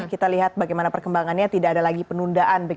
kita lihat bagaimana perkembangannya tidak ada lagi penundaan